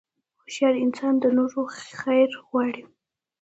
هوښیار انسان د نورو خیر غواړي.